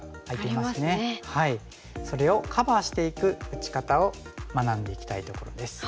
それをカバーしていく打ち方を学んでいきたいところです。